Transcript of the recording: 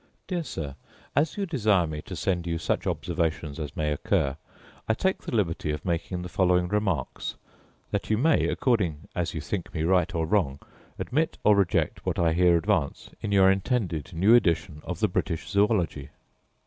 Dear Sir, As you desire me to send you such observations as may occur, I take the liberty of making the following remarks, that you may, according as you think me right or wrong, admit or reject what I here advance, in your intended new edition of the British Zoology.